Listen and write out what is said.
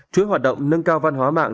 chuỗi hoạt động nâng cao văn hóa mạng